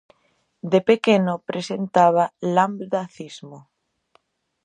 De pequeno presentaba lambdacismo.